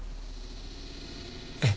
えっ？